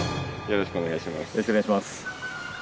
よろしくお願いします。